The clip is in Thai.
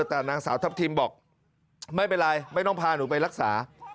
แต่นางสาวทัพทิมบอกไม่เป็นไรไม่ต้องพาหนูไปรักษา